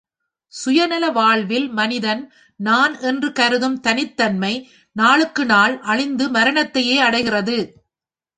சுயநல வாழ்வில் மனிதன் நான் என்று கருதும் தனித் தன்மை நாளுக்கு நாள் அழிந்து மரணத்தையே அடைகிறது.